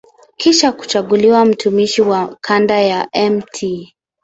Kisha kuchaguliwa mtumishi wa kanda ya Mt.